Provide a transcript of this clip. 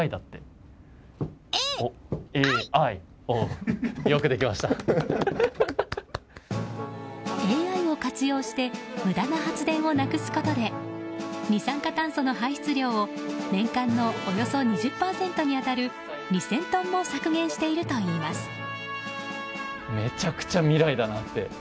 ＡＩを活用して無駄な発電をなくすことで二酸化炭素の排出量を年間のおよそ２０％に当たる２０００トンも削減しているといいます。